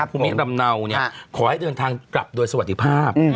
ภูมิลำเนาเนี่ยขอให้เดินทางกลับโดยสวัสดีภาพ